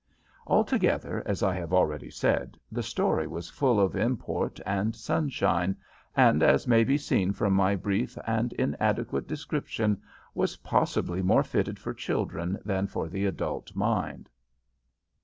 Altogether, as I have already said, the story was full of import and sunshine, and, as may be seen from my brief and inadequate description, was possibly more fitted for children than for the adult mind.